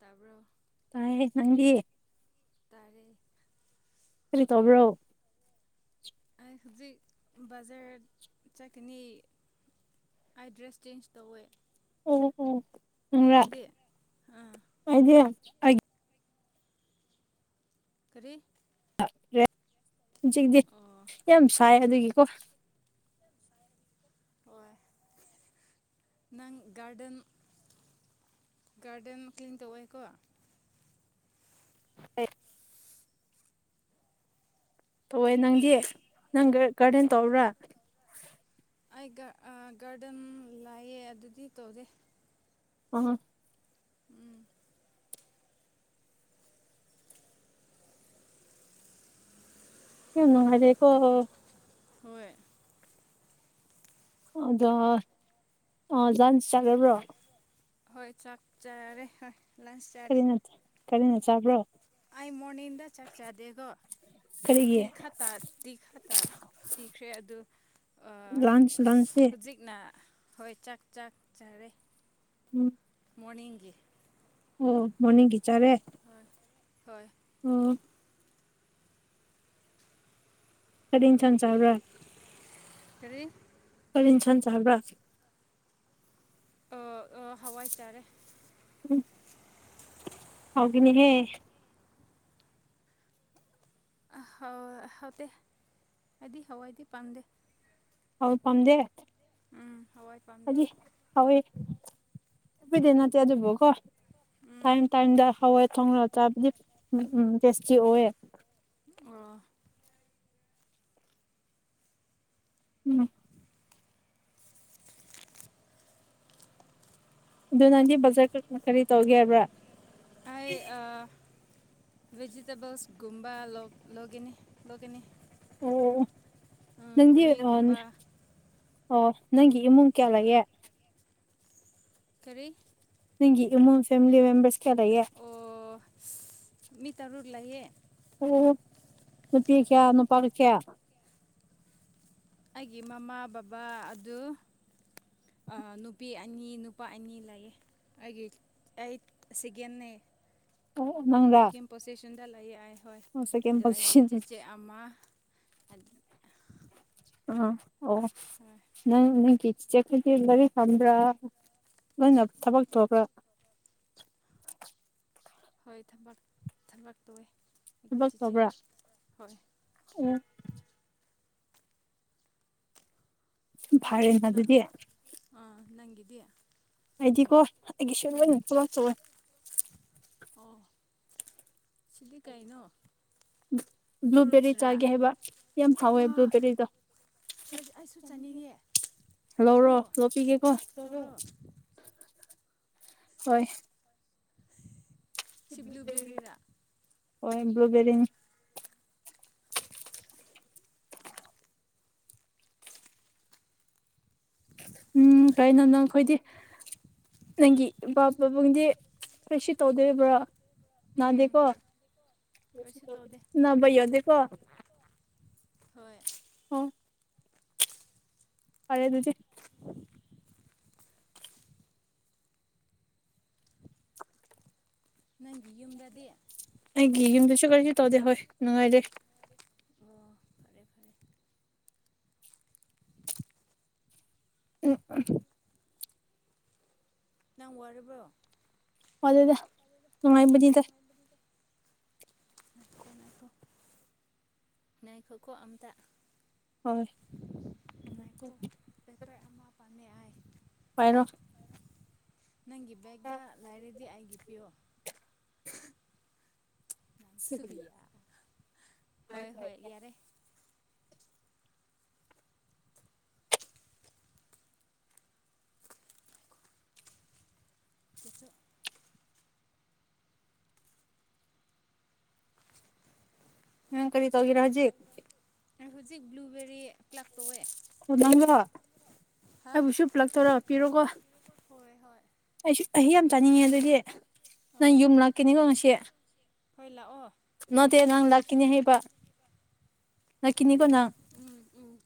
ꯇꯥꯕꯔꯣ ꯇꯥꯏꯌꯦ ꯅꯪꯗꯤ ꯇꯔꯦ ꯀꯔꯤ ꯇꯣꯕ꯭ꯔꯣ ꯑꯩ ꯍꯧꯖꯤꯛ ꯕꯖꯔ ꯆꯠꯀꯅꯤ ꯑꯥꯏꯗ꯭ꯔꯦꯁ ꯆꯦꯟꯖ ꯇꯧꯋꯦ ꯎꯝ ꯎꯝ ꯅꯪꯗꯤ ꯑꯥ ꯑꯩꯗꯤ ꯑꯩ ꯀꯔꯤ ꯍꯧꯖꯤꯛꯗꯤ ꯑꯣ ꯌꯥꯝ ꯁꯥꯏ ꯑꯗꯨꯒꯤꯀꯣ ꯍꯣꯏ ꯅꯪ ꯒꯥꯔꯗꯦꯟ ꯒꯥꯔꯗꯦꯟ ꯀ꯭ꯂꯤꯡ ꯇꯧꯑꯦꯀꯣ [inaudible] ꯇꯧꯋꯦ ꯅꯪꯗꯤ ꯅꯪ ꯒꯔ ꯒꯥꯔꯗꯦꯟ ꯇꯧꯔꯥ ꯑꯩ ꯒꯥ ꯑꯥ ꯒꯥꯔꯗꯦꯟ ꯂꯥꯛꯑꯦ ꯑꯗꯨꯗꯤ ꯇꯧꯗꯦ [unintelligible] ꯎꯝ ꯌꯥꯝ ꯅꯨꯡꯉꯥꯏꯔꯦꯀꯣ ꯍꯣꯏ ꯑꯗ‌ꯣ ꯑꯥ ꯗꯥꯟꯁ ꯆꯠꯂꯕ꯭ꯔꯣ ꯍꯣꯏ ꯆꯥꯛ ꯆꯥꯔꯦ ꯍꯣꯏ ꯂꯟꯁ ꯆꯥꯔꯦ ꯀꯔꯤꯅꯥ ꯆꯥꯕ꯭ꯔꯣ ꯑꯩ ꯃꯣꯔꯅꯤꯡꯗ ꯆꯥꯛꯆꯥꯗꯦꯒꯣ ꯇꯤ ꯀꯔꯤꯒꯤ ꯈꯇꯥ ꯇꯤ ꯈꯇꯥ ꯄꯤꯈ꯭ꯔꯦ ꯑꯗꯨ ꯑꯥ ꯂꯟꯁ ꯂꯟꯁꯇꯤ ꯍꯨꯖꯤꯛꯅ ꯍꯣꯏ ꯆꯥꯛ ꯆꯥꯛ ꯆꯔꯦ ꯎꯝ ꯃꯣꯔꯅꯤꯡꯒꯤ ꯑꯣ ꯃ‌ꯣꯔꯅꯤꯡꯒꯤ ꯆꯥꯔꯦ ꯑꯥ ꯍꯣꯏ ꯎꯝ ꯀꯔꯤ ꯏꯟꯁꯥꯡ ꯆꯥꯕ꯭ꯔ ꯀꯔꯤ ꯃꯔꯤꯟ ꯁꯟ ꯆꯥꯕ꯭ꯔꯥ ꯑꯣ ꯑꯣ ꯍꯋꯥꯏ ꯆꯥꯔꯦ ꯎꯝ ꯍꯥꯎꯒꯅꯤꯍꯦ ꯑ ꯍꯥꯎ ꯍꯥꯎꯇꯦ ꯍꯥꯏꯗꯤ ꯍꯋꯥꯏꯗꯤ ꯄꯥꯝꯗꯦ ꯊꯥꯎ ꯄꯥꯝꯗꯦ ꯎꯝ ꯍꯋꯥꯏ ꯄꯥꯝꯗꯦ ꯍꯥꯏꯗꯤ ꯍꯋꯦ ꯈ‌ꯣꯏꯗꯤ ꯅꯠꯇꯦ ꯑꯗꯨꯕꯨꯀꯣ ꯎꯝ ꯇꯥꯏꯝ ꯇꯥꯏꯝꯗ ꯍꯋꯥꯏ ꯊꯣꯡꯔ ꯆꯥꯕꯗꯤ ꯎꯝ ꯎꯝ ꯇꯦꯁꯇꯤ ꯑꯣꯑꯦ ꯑꯣ ꯎꯝ ꯑꯗꯨ ꯅꯪꯗꯤ ꯕꯖꯔ ꯀ ꯀꯔꯤ ꯇꯧꯒꯦ ꯍꯥꯏꯕ꯭ꯔꯥ ꯍꯥꯏ ꯑ ꯚꯦꯖꯤꯇꯦꯕꯜꯁꯒꯨꯝꯕ ꯂꯧ ꯂꯧꯒꯅꯤ ꯂꯧꯒꯅꯤ ꯑꯣ ꯅꯪꯗꯤ ꯑꯥꯟ ꯀꯣꯕꯤꯒꯨꯝꯕ ꯑꯣ ꯅꯪꯒꯤ ꯏꯃꯨꯡ ꯀꯌꯥ ꯂꯩꯌꯦ ꯀꯔꯤ ꯅꯪꯒꯤ ꯏꯃꯨꯡ ꯐꯦꯃꯤꯂꯤ ꯃꯦꯝꯕꯔꯁ ꯀꯌꯥ ꯂꯩꯌꯦ ꯑꯣ [unintelligible] ꯃꯤ ꯇꯔꯨꯛ ꯂꯩꯌꯦ ꯑꯣ ꯅꯨꯄꯤ ꯀ꯭ꯌꯥ ꯅꯨꯄꯥ ꯀ꯭ꯌꯥ ꯑꯩꯒꯤ ꯃꯃꯥ ꯕꯕꯥ ꯑꯗꯨ ꯑꯥ ꯅꯨꯄꯤ ꯑꯅꯤ ꯅꯨꯄꯥ ꯑꯅꯤ ꯂꯩꯌꯦ ꯑꯩꯒꯤ ꯑꯩꯠ ꯁꯤꯒꯦꯟꯅꯦ ꯑꯣ ꯅꯪꯔꯥ ꯁꯤꯀꯤꯝ ꯄꯣꯁꯤꯁꯟꯗ ꯂꯩꯥ ꯑꯩ ꯍꯣꯏ ꯁꯦꯀꯦꯟ ꯑꯗꯨ ꯑꯩꯒꯤ ꯄꯣꯖꯤꯁꯟ ꯆꯦꯆꯦ ꯑꯥ ꯑꯃꯥ ꯑꯠ ꯑꯥ ꯑꯣ ꯍꯣꯏ ꯅꯪ ꯅꯪꯒꯤ ꯆꯤꯆꯦ ꯈ‌ꯣꯏꯗꯤ ꯂꯩꯔꯤꯛ ꯐꯝꯕ꯭ꯔꯥ ꯅꯪꯅ ꯊꯕꯛ ꯇ‌ꯣꯕ꯭ꯔꯥ ꯍꯣꯏ ꯊꯕꯛ ꯊꯕꯛ ꯇ‌ꯣꯋꯦ ꯊꯕꯛ ꯇꯧꯕ꯭ꯔꯥ ꯑꯦ ꯐꯩꯔ‌ꯦꯅꯥ ꯅꯪ ꯑꯗꯨꯗꯤ ꯑꯥ ꯅꯪꯒꯤꯗꯤ ꯑꯩꯗꯤꯀꯣ ꯑꯩꯒꯤ ꯁꯨ ꯂꯣꯏꯅ ꯎꯝ ꯊꯕꯛ ꯇꯧꯋꯦ ꯑꯣ ꯁꯤꯗꯤ ꯀꯩꯅꯣ ꯕ꯭ꯂꯨꯕꯦꯔꯤ ꯐ꯭ꯔꯨꯠꯁꯔꯥ ꯆꯥꯒꯦ ꯍꯥꯏꯕ ꯌꯥꯝ ꯍꯥꯎꯋꯦ ꯑꯣ ꯕ꯭ꯂꯨꯕꯦꯔꯤꯗꯣ ꯑꯩ ꯑꯩꯁꯨ ꯆꯥꯅꯤꯡꯉꯦ ꯂꯧꯔꯣ ꯇꯧꯔꯣ ꯂꯧꯄꯤꯒꯦꯀꯣ ꯂꯧꯔ‌ꯣ ꯇꯧꯔꯣ ꯍꯣꯏ ꯁꯤ ꯕ꯭ꯂꯨꯕ‌ꯦꯔꯤ ꯅꯇꯔ‌ꯣ ꯍ‌ꯣꯏ ꯕ꯭ꯂꯨꯕꯦꯔꯤꯅꯤ ꯎꯝ ꯀꯩꯅꯣ ꯅꯪꯈꯣꯏꯗꯤ ꯅꯪꯒꯤ ꯏꯝꯄꯥ ꯄꯥꯕꯨꯡꯗꯤ ꯀꯩꯁꯨ ꯇꯧꯗꯔꯕ꯭ꯔ ꯅ ꯎꯝ ꯗ‌ꯦꯀꯣ ꯀꯩꯁꯨ ꯀꯔꯤꯁꯨ ꯇꯧꯗ‌ꯦ ꯇꯧꯗꯦ ꯅꯕꯥ ꯌꯗ‌ꯦꯀꯣ ꯍꯣꯏ ꯑꯣ ꯐꯔꯦ ꯑꯗꯨꯗꯤ ꯅꯪꯒꯤ ꯌꯨꯝꯗꯗꯤ ꯑꯩꯒꯤ ꯌꯨꯝꯗꯁꯨ ꯀꯔꯤꯁꯨ ꯇꯧꯗꯦ ꯍꯣꯏ ꯅꯨꯉꯥꯏꯗ‌ꯦ ꯑꯣ ꯐꯔꯦ ꯐꯔꯦ [unintelligible] ꯅꯪ ꯋꯥꯔꯕ꯭ꯔꯣ ꯋꯗ‌ꯦꯗꯥ [unintelligible] ꯅꯨꯉꯥꯏꯕꯗꯤꯗ ꯉꯥꯏꯈ‌ꯣ ꯅꯥꯏꯈꯣꯀ‌ꯣ ꯑꯝꯇꯥ ꯍꯣꯏ ꯉꯥꯏꯈꯣ ꯄꯦꯄꯔ ꯑꯃꯥ ꯄꯥꯝꯃꯦ ꯑꯥꯏ ꯍꯥꯏꯔ‌ꯣ ꯅꯪꯒꯤ ꯕꯦꯒꯗ ꯂꯥꯏꯔꯗꯤ ꯑꯩꯒꯤ ꯄꯤꯌꯣ ꯑꯃꯨꯛ ꯁꯨ ꯍꯨꯏꯌꯥ ꯍꯣꯏ ꯍꯣꯏ ꯌꯥꯔꯦ [unintelligible] ꯅꯪ ꯀꯔꯤ ꯇꯧꯏꯔ ꯍꯖꯤꯛ ꯑꯥ ꯍꯨꯖꯤꯛ ꯕ꯭ꯂꯨꯕꯦꯔꯤ ꯄ꯭ꯂꯛ ꯇꯧꯋꯦ ꯑꯣ ꯅꯪꯒꯔ ꯍꯥ ꯑꯩꯕꯨꯁꯨ ꯄ꯭ꯂꯛ ꯇꯧꯔ ꯄꯤꯔꯣꯀꯣ ꯍꯣꯏ ꯍꯣꯏ ꯑꯩꯁꯨ ꯑꯍꯤ ꯌꯥꯝ ꯆꯥꯅꯤꯡꯉꯦ ꯑꯗꯨꯗꯤ ꯅꯪ ꯑꯣ ꯌꯨꯝ ꯂꯥꯛꯀꯅꯤꯉ‌ꯣ ꯉꯁꯤ ꯍꯣꯏ ꯂꯥ ꯑꯣ ꯅꯇ‌ꯦ ꯅꯪ ꯂꯥꯛꯀꯤꯅꯦ ꯍꯥꯏꯕ ꯂꯀꯤꯅꯤꯀ‌ꯣ ꯅꯪ ꯎꯝ ꯎꯝ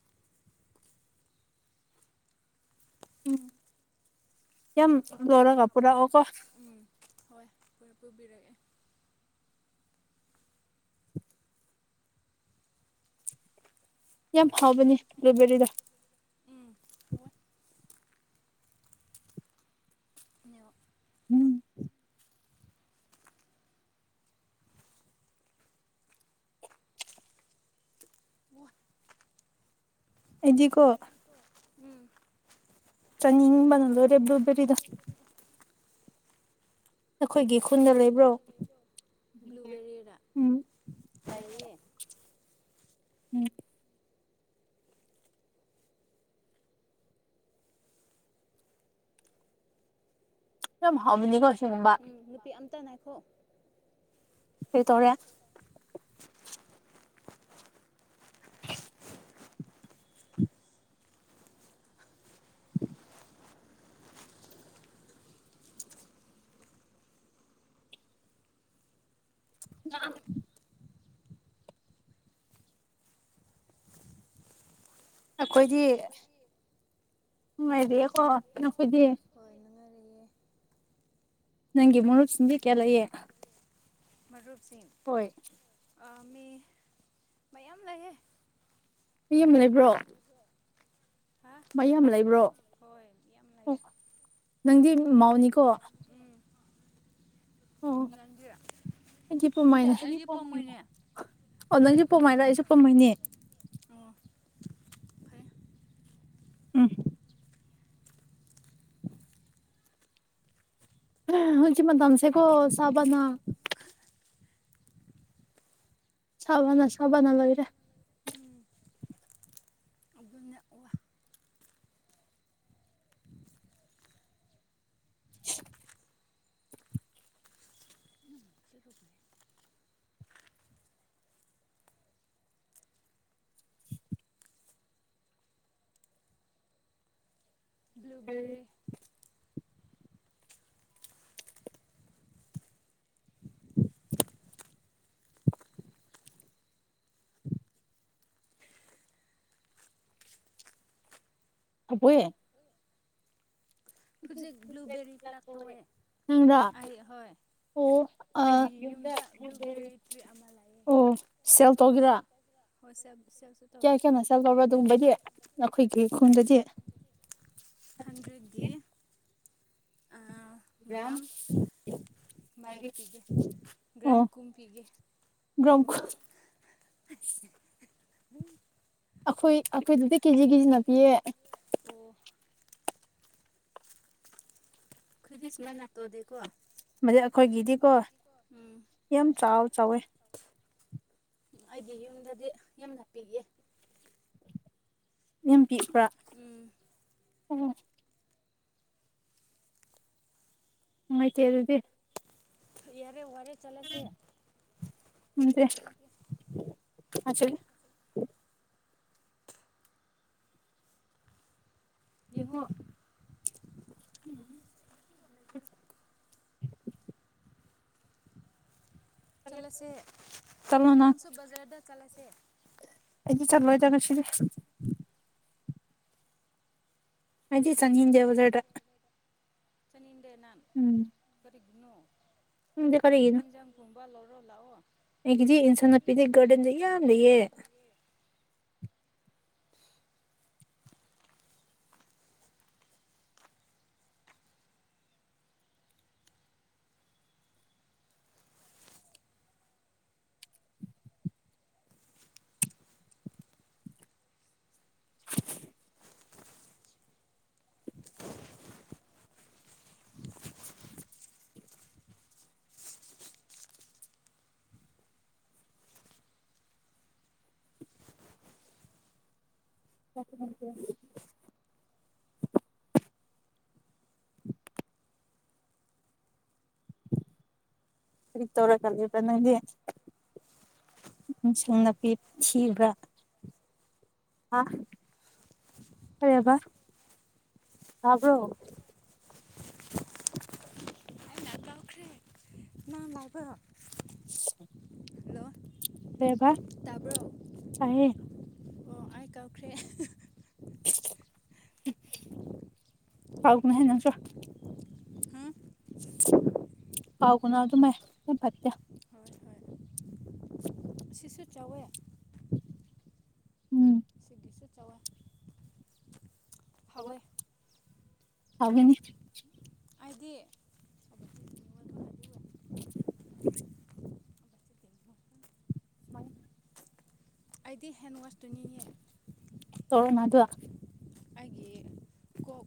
[unintelligible] ꯂꯧꯔꯒ ꯄꯨꯔꯛꯑꯣꯀꯣ [unintelligible] ꯎꯝ ꯍꯣꯏ ꯄꯨꯕꯤꯔꯛꯦ ꯌꯥꯝ ꯐꯥꯎꯕꯅꯦ ꯕ꯭ꯂꯨꯕꯦꯔꯤꯗꯣ ꯎꯝ ꯍꯣꯏ ꯎꯝ ꯑꯩ ꯗꯤꯀꯣ ꯎꯝ ꯆꯅꯤꯡ ꯕꯅ ꯂ‌ꯣꯏꯔ‌ꯦ ꯕ꯭ꯂꯨꯕ‌ꯦꯔꯤꯙ‌ꯣ ꯅꯈꯣꯏꯒꯤ ꯈꯨꯟꯗ ꯂꯩꯕ꯭ꯔꯣ ꯕ꯭ꯂꯨꯕꯦꯔꯤꯔ ꯎꯝ ꯎꯝ ꯌꯥꯝ ꯍꯥꯎꯃꯅꯤ ꯀꯣ ꯑꯁ‌ꯦꯡꯕ ꯎꯝ ꯅꯨꯄꯤ ꯑꯝꯇ ꯅꯥꯏꯈꯣ ꯀꯩꯇꯧꯔꯦ [unintelligible] ꯑꯩꯈꯣꯏꯗꯤ ꯍꯣꯏ ꯅꯨꯡꯉꯥꯏꯔꯤꯑꯦ ꯀꯣ ꯅꯈꯣꯏꯗꯤ ꯍꯣꯏ ꯅꯨꯡꯉꯥꯏꯔꯤꯑꯦ ꯅꯪꯒꯤ ꯃꯔꯨꯞꯁꯤꯡꯗꯤ ꯀꯌꯥ ꯂꯩꯌꯦ ꯃꯔꯨꯞꯁꯤꯡ ꯍꯣꯏ ꯑꯥ ꯃꯤ ꯃꯌꯥꯝ ꯂꯩꯌꯦ ꯃꯤꯌꯥꯝꯅ ꯂꯩꯕ꯭ꯔꯣ ꯍꯥ ꯃꯌꯥꯝ ꯂꯩꯕ꯭ꯔꯣ ꯍꯣꯏ ꯌꯥꯝ ꯑꯣ ꯂꯩꯌꯦ ꯅꯪꯗꯤ ꯃꯧꯅꯤꯀꯣ ꯎꯝ ꯅꯪꯗꯤ ꯑꯩꯗꯤ ꯅꯠꯇꯦ ꯑꯩꯗꯤ ꯄꯧꯃꯩꯅꯤ ꯄꯥꯝꯃꯣꯏꯅꯦ ꯑꯣ ꯅꯪꯗꯤ ꯄꯣꯃꯥꯏꯔ ꯑꯩꯁꯨ ꯄꯣꯃꯩꯅꯦ ꯑꯣ ꯐꯩ ꯎꯝ ꯍꯧꯖꯤꯛ ꯃꯇꯝꯁꯤ ꯀꯣ ꯁꯥꯕꯅ ꯁꯥꯕꯅ ꯁꯥꯕꯅ ꯂꯣꯏꯔꯦ ꯎꯝ ꯑꯗꯨꯅꯦ ꯑꯣꯌꯦ ꯕꯨꯜꯕꯦꯔꯤ ꯍꯣꯋꯦ ꯍꯧꯖꯤꯛ ꯕꯨꯜꯕꯦꯔꯤ ꯄ꯭ꯂꯛ ꯇꯣꯋꯦ ꯅꯪꯔ ꯑꯩ ꯍꯣꯏ ꯑꯣ ꯑ ꯑꯩꯒꯤ ꯌꯨꯝꯗ ꯕꯨꯜꯕꯦꯔꯤ ꯇ꯭ꯔꯤ ꯑꯃ ꯂꯩꯑꯦ ꯑꯣ ꯁꯦꯜ ꯇꯧꯒꯦꯔꯥ ꯍꯣꯏ ꯁꯦꯜꯁꯨ ꯇꯧꯒꯦ ꯀꯌꯥ ꯀꯌꯥꯝꯅ ꯁꯦꯜ ꯇꯧꯕ꯭ꯔꯥ ꯑꯗꯨꯒꯨꯝꯕꯗꯤ ꯑꯩꯈꯣꯏꯒꯤ ꯈꯨꯟꯗꯗꯤ ꯑꯗꯨꯗꯤ ꯑꯥ ꯒ꯭ꯔꯥꯝ ꯃꯔꯤ ꯄꯤꯒꯦ ꯒ꯭ꯔꯝ ꯀꯨꯝꯄꯤꯒꯦ ꯒ꯭ꯔꯥꯝ ꯑꯩꯈꯣꯏ ꯑꯩꯈꯣꯏꯗꯗꯤ ꯀꯦꯖꯤ ꯀꯦꯖꯤꯅ ꯄꯤꯌꯦ ꯑꯣ ꯑꯈꯣꯏꯗꯤ ꯁꯨꯃꯥꯏꯅ ꯇꯣꯗꯦ ꯀꯣ ꯑꯝ ꯃꯗꯤ ꯑꯩꯈꯣꯏꯒꯤꯗꯤꯀꯣ [unintelligible] ꯌꯥꯝ ꯆꯥꯎ ꯆꯥꯎꯋꯦ [inaudible] ꯑꯩꯒꯤ ꯌꯨꯝꯗꯗꯤ ꯌꯥꯝꯅ ꯄꯤꯛꯑꯦ ꯌꯥꯝ ꯄꯤꯛꯄ꯭ꯔꯥ ꯎꯝ ꯅꯨꯡꯉꯥꯏꯇꯦ ꯑꯗꯨꯗꯤ ꯌꯥꯔꯦ ꯋꯥꯔꯦ ꯆꯠꯂꯁꯦ [unintelligible] ꯌꯦꯡꯉꯣ [unintelligible] [inaudible] ꯆꯠꯂꯁꯦ ꯆꯠꯂꯣ ꯅꯪ ꯅꯪꯁꯨ ꯕꯖꯥꯔꯗ ꯆꯠꯂꯁꯦ ꯑꯩꯗꯤ ꯆꯠꯂꯣꯏꯗ ꯉꯁꯤꯗꯤ ꯑꯩꯗꯤ ꯆꯠꯅꯤꯡꯗꯦ ꯕꯥꯖꯔꯗ ꯆꯠꯅꯤꯡꯗꯦ ꯅꯪ ꯎꯝ ꯀꯔꯤꯒꯅꯨ ꯈꯪꯗꯦ ꯀꯔꯤꯒꯤꯅꯣ ꯑꯗꯨꯒꯨꯝꯕ ꯂꯧꯔꯣ ꯂꯥꯛꯑꯣ ꯑꯩꯒꯤꯗꯤ ꯏꯟꯁꯥ ꯅꯄꯤꯗꯩ ꯒꯥꯔꯗꯦꯟꯗ ꯌꯥꯝ ꯂꯩꯌꯦ [inaudible] [unintelligible] [inaudible] [unintelligible] ꯇꯧꯔ ꯒꯅꯦꯕ ꯅꯪꯗꯤ ꯏꯁꯤꯡ ꯅꯥꯄꯤ ꯊꯤꯕ꯭ꯔꯥ ꯍꯥꯥ ꯑꯔꯦꯕ ꯇꯥꯕ꯭ꯔꯣ [inaudible] ꯑꯩꯅ ꯀꯥꯎꯈ꯭ꯔꯦ ꯅꯪ ꯂꯥꯏꯕꯔꯣ ꯍꯜꯂꯣ ꯀꯔꯤꯕ ꯇꯥꯕ꯭ꯔꯣ ꯇꯥꯏꯌꯦ ꯑꯣ ꯑꯩ ꯀꯥꯎꯈ꯭ꯔꯦ [unintelligible] ꯅꯪꯁꯨ ꯍꯨꯝ ꯀꯥꯎꯒꯅꯦ ꯑꯗꯨ ꯃꯥꯏ ꯐꯠꯇꯦ ꯍꯣꯏ ꯍꯣꯏ [inaudible] ꯑꯥꯁꯤꯁꯨꯨ ꯆꯥꯎꯋꯦ ꯎꯝ ꯗꯤꯁꯨ ꯆꯧꯎꯑꯦ [unintelligible] ꯑꯥꯏꯗꯤ [inaudible] [inaudible] ꯑꯩꯗꯤ ꯍꯦꯟꯋꯥꯁꯇꯨꯅꯤꯌꯦ ꯇꯣꯔꯣꯅ ꯑꯗꯨ ꯑꯩꯒꯤ ꯀꯣꯛ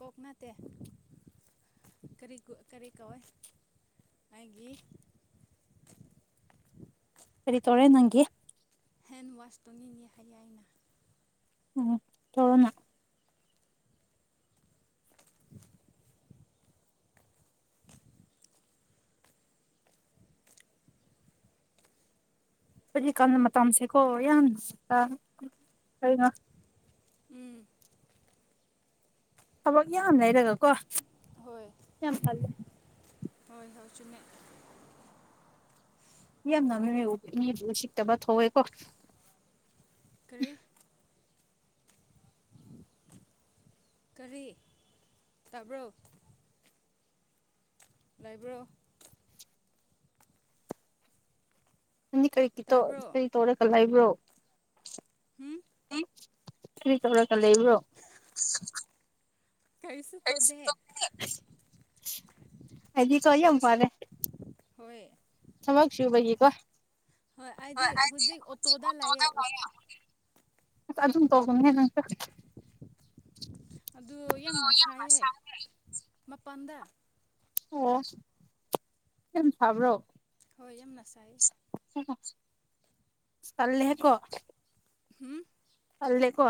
ꯀꯣꯛ ꯅꯠꯇꯦ ꯀꯔꯤ ꯀꯔꯤ ꯀꯧꯋꯦ ꯑꯩꯒꯤ ꯀꯔꯤ ꯇꯧꯔꯦ ꯅꯪꯒꯤ ꯍꯦꯟꯋꯥꯁ ꯇꯧꯅꯤꯅꯤ ꯍꯩꯌꯥꯏꯅ ꯎꯝ ꯇꯧꯔꯣꯅ ꯍꯧꯖꯤꯛꯀꯥꯟ ꯃꯇꯝꯁꯤꯀꯣ ꯌꯥꯝ ꯑꯩꯅ ꯎꯝ ꯊꯕꯛ ꯌꯥꯝ ꯂꯩꯔꯒꯀꯣ ꯍꯣꯏ ꯌꯥꯝ ꯇꯜꯂꯦ ꯍꯣꯏ ꯍꯣꯏ ꯆꯨꯝꯃꯦ ꯌꯥꯝ [unintelligible] ꯃꯤꯗꯨ ꯁꯤꯠꯇꯕ ꯊꯣꯛꯑꯦꯀꯣ ꯀꯔꯤ ꯀꯔꯤ ꯇꯥꯕ꯭ꯔꯣ ꯂꯩꯕ꯭ꯔꯣ ꯅꯪꯗꯤ ꯀꯔꯤ ꯀꯤꯇꯣ ꯇꯥꯕ꯭ꯔꯣ ꯀꯔꯤ ꯇꯧꯔꯒ ꯂꯩꯕ꯭ꯔꯣ ꯍꯨꯝ ꯎꯝ ꯀꯔꯤ ꯇꯧꯔꯒ ꯂꯩꯕ꯭ꯔꯣ ꯀꯔꯤꯁꯨ ꯇꯧꯗꯦ ꯑꯩꯗꯤ ꯀꯣ ꯌꯨꯝ ꯄꯥꯜꯂꯦ ꯍꯣꯏ ꯊꯕꯛ ꯁꯨꯕꯒꯤꯀꯣ ꯑꯩꯗꯤ ꯍꯣꯏ ꯍꯧꯖꯤꯛ ꯑꯩꯗꯤ ꯑꯣꯇꯣꯗ ꯂꯥꯛꯑꯦ [unintelligible] ꯑꯁ ꯑꯗꯨꯝ ꯇꯧꯒꯝꯅꯦ ꯅꯪꯁꯨ ꯑꯗꯨ ꯌꯥꯝꯅ ꯁꯥꯏꯍꯦ ꯃꯄꯥꯥꯟꯗ ꯑꯁ ꯌꯥꯝ ꯁꯥꯕ꯭ꯔꯣ ꯍꯣꯏ ꯌꯥꯝꯅ ꯁꯥꯏꯌꯦ ꯇꯜꯂꯦꯍꯦ ꯀꯣ ꯍꯨꯝ ꯇꯜꯂꯦꯀꯣ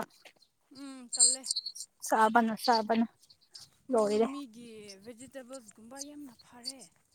ꯎꯝ ꯇꯜꯂꯦ ꯁꯥꯕꯅ ꯁꯥꯕꯅ ꯎ ꯂꯣꯏꯔꯦ ꯃꯤꯒꯤ ꯚꯦꯖꯤꯇꯦꯕꯜꯁ ꯀꯨꯝꯕ ꯌꯥꯝꯅ ꯐꯔꯦ